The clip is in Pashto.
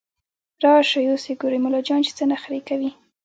راشئ اوس يې ګورئ ملا جان چې څه نخروې کوي